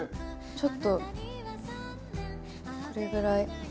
ちょっとこれぐらい。